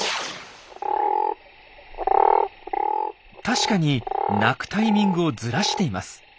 確かに鳴くタイミングをずらしています。